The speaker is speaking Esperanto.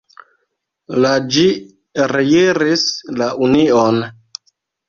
La ĝi reiris la Union.